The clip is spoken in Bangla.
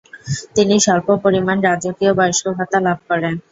তিনি স্বল্প পরিমাণ রাজকীয় বয়স্ক ভাতা লাভ করেন।